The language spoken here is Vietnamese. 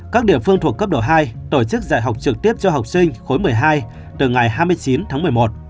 các địa phương thuộc cấp độ hai tổ chức dạy học trực tiếp cho học sinh khối một mươi hai từ ngày hai mươi chín tháng một mươi một